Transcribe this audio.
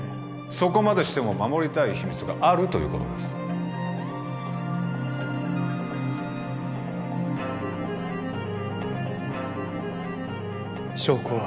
そこまでしても守りたい秘密があるということです証拠は？